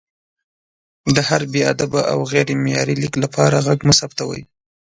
د هر بې ادبه او غیر معیاري لیک لپاره غږ مه ثبتوئ!